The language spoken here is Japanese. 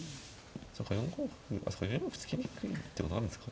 そうか４五歩そうか４四歩突きにくいってことあるんですか？